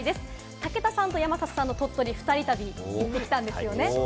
武田さんと山里さんの鳥取２人旅、行ってきたんですよね。